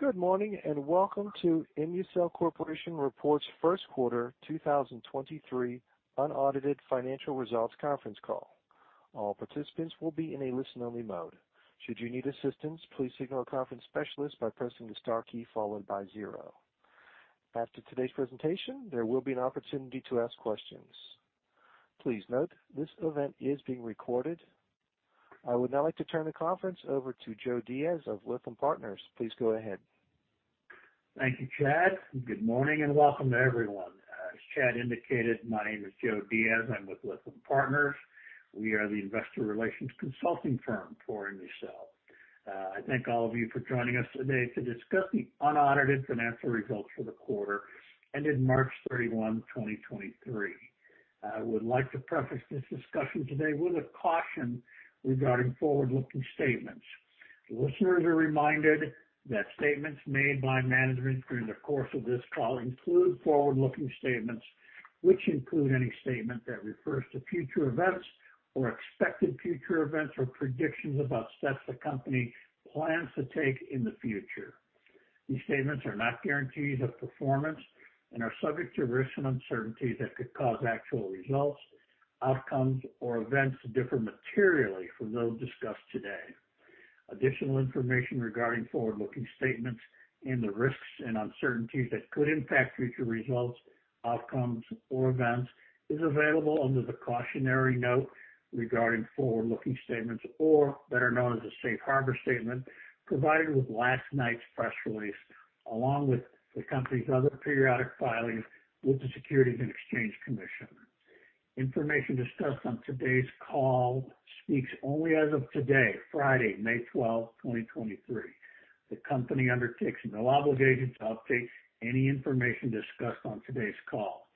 Good morning, welcome to ImmuCell Corporation Report's first quarter 2023 unaudited financial results conference call. All participants will be in a listen-only mode. Should you need assistance, please signal a conference specialist by pressing the star key followed by zero. After today's presentation, there will be an opportunity to ask questions. Please note this event is being recorded. I would now like to turn the conference over to Joe Diaz of Lytham Partners. Please go ahead. Thank you, Chad. Good morning and welcome to everyone. As Chad indicated, my name is Joe Diaz. I'm with Lytham Partners. We are the investor relations consulting firm for ImmuCell. I thank all of you for joining us today to discuss the unaudited financial results for the quarter ended March 31st, 2023. I would like to preface this discussion today with a caution regarding forward-looking statements. Listeners are reminded that statements made by management during the course of this call include forward-looking statements, which include any statement that refers to future events or expected future events, or predictions about steps the company plans to take in the future. These statements are not guarantees of performance and are subject to risks and uncertainties that could cause actual results, outcomes, or events to differ materially from those discussed today. Additional information regarding forward-looking statements and the risks and uncertainties that could impact future results, outcomes, or events is available under the cautionary note regarding forward-looking statements, or better known as the Safe Harbor Statement, provided with last night's press release, along with the company's other periodic filings with the Securities and Exchange Commission. Information discussed on today's call speaks only as of today, Friday, May 12th, 2023. The company undertakes no obligation to update any information discussed on today's call.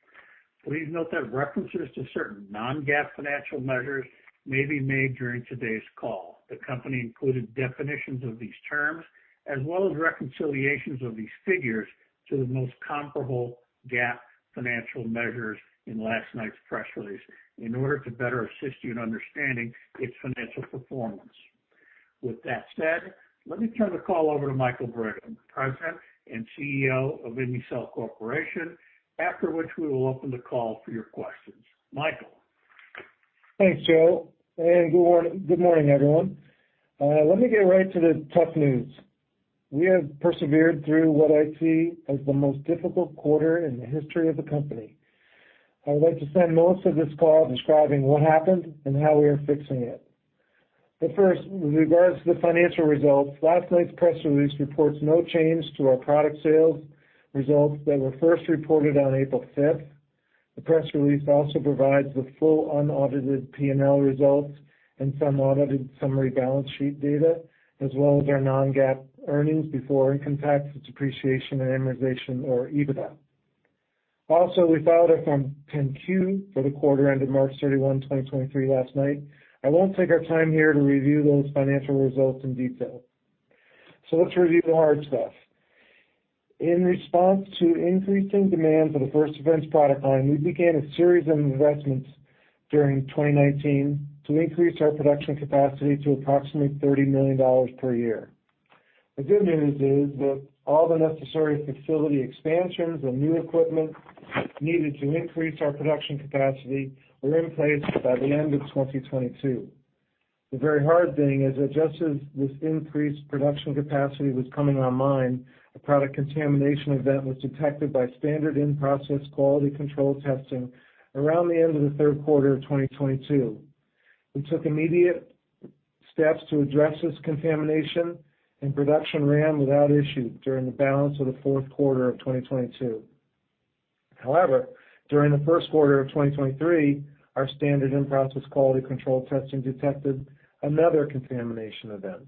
Please note that references to certain non-GAAP financial measures may be made during today's call. The company included definitions of these terms as well as reconciliations of these figures to the most comparable GAAP financial measures in last night's press release in order to better assist you in understanding its financial performance. With that said, let me turn the call over to Michael F. Brigham, President and CEO of ImmuCell Corporation, after which we will open the call for your questions. Michael. Thanks, Joe. Good morning, everyone. Let me get right to the tough news. We have persevered through what I see as the most difficult quarter in the history of the company. I would like to spend most of this call describing what happened and how we are fixing it. First, with regards to the financial results, last night's press release reports no change to our product sales results that were first reported on April 5th. The press release also provides the full unaudited P&L results and some audited summary balance sheet data, as well as our non-GAAP earnings before income tax, depreciation, and amortization, or EBITDA. Also, we filed a Form 10-Q for the quarter ended March 31st, 2023 last night. I won't take our time here to review those financial results in detail. Let's review the hard stuff. In response to increasing demand for the First Defense product line, we began a series of investments during 2019 to increase our production capacity to approximately $30 million per year. The good news is that all the necessary facility expansions and new equipment needed to increase our production capacity were in place by the end of 2022. The very hard thing is that just as this increased production capacity was coming online, a product contamination event was detected by standard in-process quality control testing around the end of the third quarter of 2022. We took immediate steps to address this contamination. Production ran without issue during the balance of the fourth quarter of 2022. During the first quarter of 2023, our standard in-process quality control testing detected another contamination event.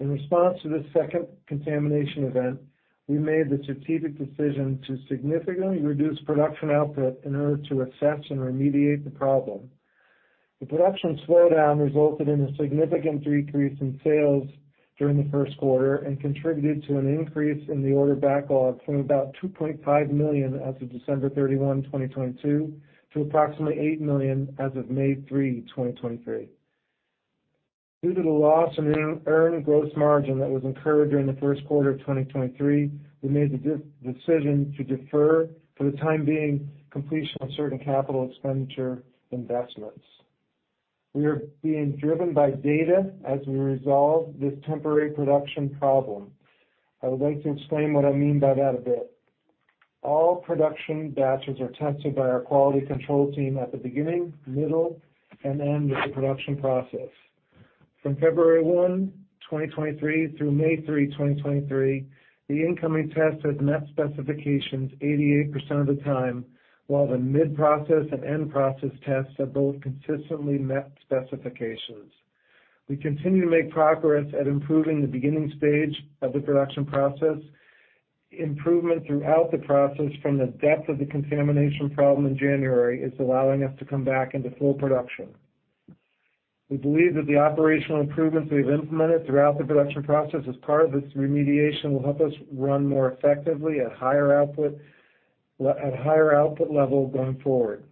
In response to this second contamination event, we made the strategic decision to significantly reduce production output in order to assess and remediate the problem. The production slowdown resulted in a significant decrease in sales during the first quarter and contributed to an increase in the order backlog from about $2.5 million as of December 31st, 2022, to approximately $8 million as of May 3rd, 2023. Due to the loss in earned gross margin that was incurred during the first quarter of 2023, we made the decision to defer, for the time being, completion of certain capital expenditure investments. We are being driven by data as we resolve this temporary production problem. I would like to explain what I mean by that a bit. All production batches are tested by our quality control team at the beginning, middle, and end of the production process. From February 1st, 2023, through May 3rd, 2023, the incoming tests have met specifications 88% of the time, while the mid-process and end-process tests have both consistently met specifications. We continue to make progress at improving the beginning stage of the production process. Improvement throughout the process from the depth of the contamination problem in January is allowing us to come back into full production. We believe that the operational improvements we've implemented throughout the production process as part of this remediation will help us run more effectively at higher output levels going forward.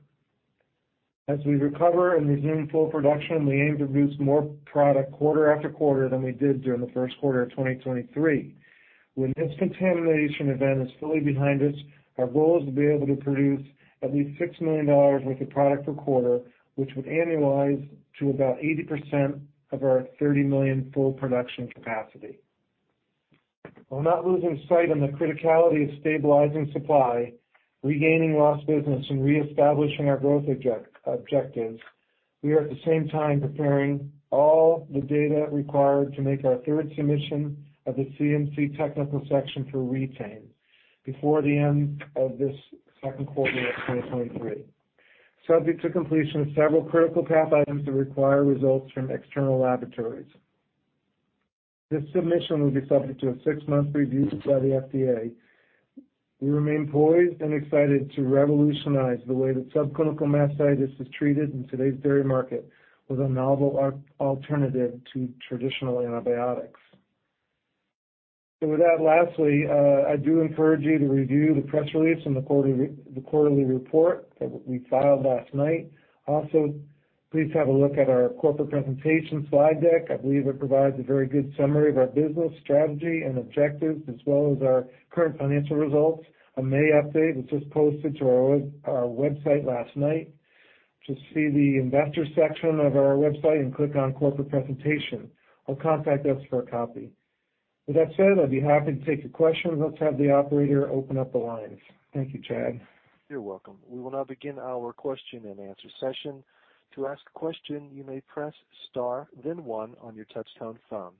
As we recover and resume full production, we aim to produce more product quarter after quarter than we did during the first quarter of 2023. When this contamination event is fully behind us, our goal is to be able to produce at least $6 million worth of product per quarter, which would annualize to about 80% of our $30 million full production capacity. While not losing sight on the criticality of stabilizing supply, regaining lost business, and reestablishing our growth objectives, we are at the same time preparing all the data required to make our third submission of the CMC technical section for Re-Tain before the end of this second quarter of 2023, subject to completion of several critical path items that require results from external laboratories. This submission will be subject to a 6-month review by the FDA. We remain poised and excited to revolutionize the way that subclinical mastitis is treated in today's dairy market with a novel alternative to traditional antibiotics. With that, lastly, I do encourage you to review the press release and the quarterly report that we filed last night. Also, please have a look at our corporate presentation slide deck. I believe it provides a very good summary of our business strategy and objectives as well as our current financial results. A May update was just posted to our website last night. Just see the investor section of our website and click on Corporate Presentation or contact us for a copy. With that said, I'd be happy to take your questions. Let's have the operator open up the lines. Thank you, Chad. You're welcome. We will now begin our question-and-answer session. To ask a question, you may press star then one on your touchtone phone.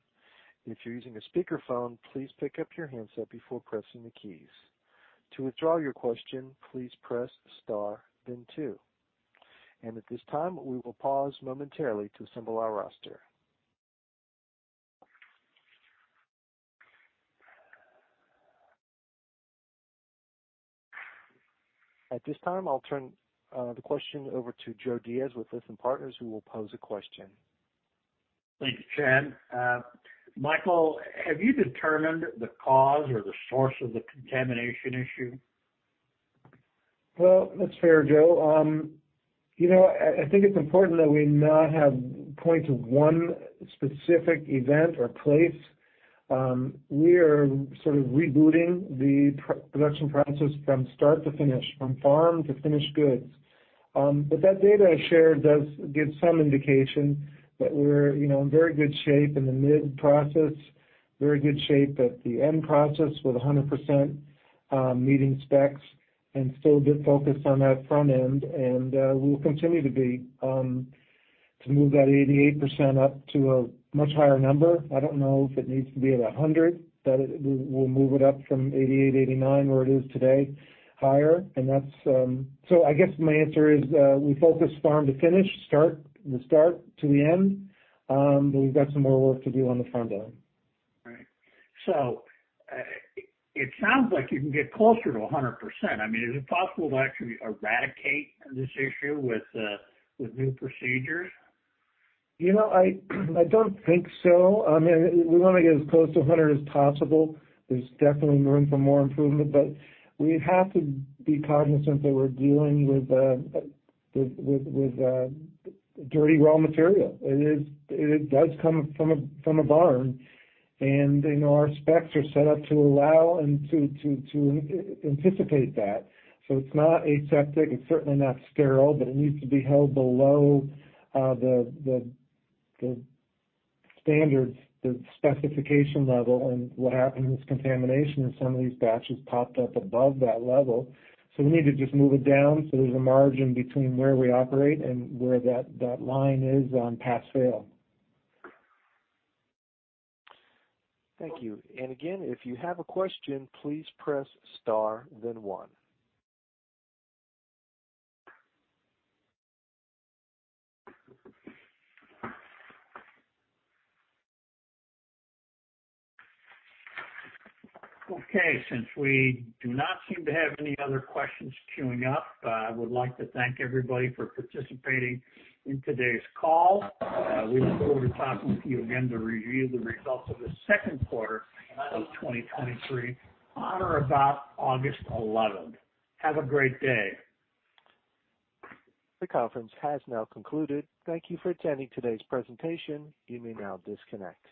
If you're using a speakerphone, please pick up your handset before pressing the keys. To withdraw your question, please press star then two. At this time, we will pause momentarily to assemble our roster. At this time, I'll turn the question over to Joe Diaz with Lytham Partners who will pose a question. Thank you, Chad. Michael, have you determined the cause or the source of the contamination issue? Well, that's fair, Joe. you know, I think it's important that we not have point to one specific event or place. we are sort of rebooting the production process from start to finish, from farm to finished goods. but that data I shared does give some indication that we're, you know, in very good shape in the mid process, very good shape at the end process with a 100%, meeting specs and still a bit focused on that front end and, we will continue to be, to move that 88% up to a much higher number. I don't know if it needs to be at 100, but we'll move it up from 88, 89 where it is today, higher. That's... I guess my answer is, we focus farm to finish, start, the start to the end, but we've got some more work to do on the front end. Right. It sounds like you can get closer to 100%. I mean, is it possible to actually eradicate this issue with new procedures? You know, I don't think so. I mean, we want to get as close to 100 as possible. There's definitely room for more improvement, but we have to be cognizant that we're dealing with dirty raw material. It does come from a barn and, you know, our specs are set up to allow and to anticipate that. It's not aseptic, it's certainly not sterile, but it needs to be held below the standards, the specification level. What happened with this contamination is some of these batches popped up above that level. We need to just move it down so there's a margin between where we operate and where that line is on pass-fail. Thank you. Again, if you have a question, please press star then one. Okay, since we do not seem to have any other questions queuing up, I would like to thank everybody for participating in today's call. We look forward to talking with you again to review the results of the second quarter of 2023 on or about August 11th. Have a great day. The conference has now concluded. Thank you for attending today's presentation. You may now disconnect.